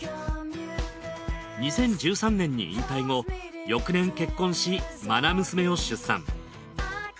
２０１３年に引退後翌年結婚し愛娘を出産。